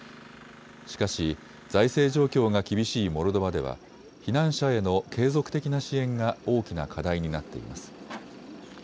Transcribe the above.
しかし財政状況が厳しいモルドバでは避難者への継続的な支援が大きな課題になっています。